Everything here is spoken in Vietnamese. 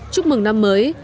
chúc mừng năm mới